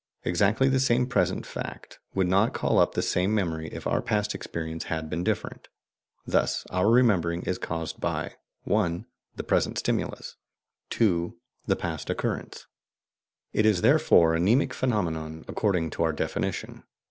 Exactly the same present fact would not call up the same memory if our past experience had been different. Thus our remembering is caused by (1) The present stimulus, (2) The past occurrence. It is therefore a mnemic phenomenon according to our definition.